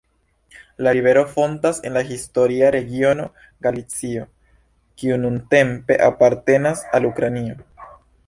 La rivero fontas en la historia regiono Galicio, kiu nuntempe apartenas al Ukrainio.